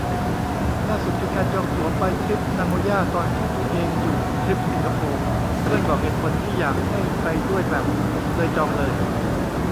ล่าสุดคือการจองตั๋วไปทริปนาโงย่าตอนที่ตัวเองอยู่ทริปสิงคโปร์ เพื่อนบอกเหตุผลที่อยากให้ไปด้วยแบบ เลยจองเลย